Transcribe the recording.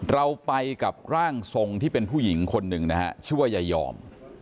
เราไปกับร่างทรงที่เป็นผู้หญิงคนหนึ่งนะฮะชื่อว่ายายอม